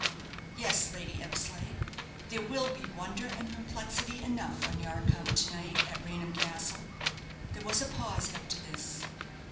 "Yes, Lady Eversleigh, there will be wonder and perplexity enough on your account to night at Raynham Castle." There was a pause after this.